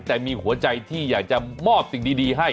แต่มีหัวใจที่อยากจะมอบสิ่งดีให้